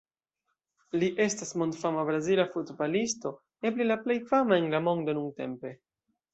Li estas mondfama Brazila futbalisto, eble la plej fama en la mondo nuntempe.